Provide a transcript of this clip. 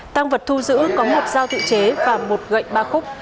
tăng vật thu giữ có một dao tự chế và một gậy ba khúc